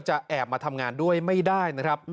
แอบมาทำงานด้วยไม่ได้นะครับ